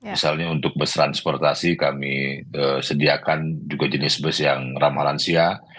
misalnya untuk bus transportasi kami sediakan juga jenis bus yang ramah lansia